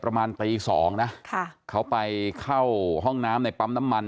ประมาณตีสองนะค่ะเขาไปเข้าห้องน้ำในปั๊มน้ำมัน